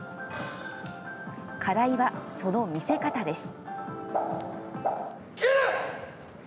課題はその見せ方です。